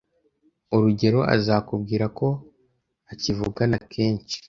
Urugero azakubwira ko akivugana kenshi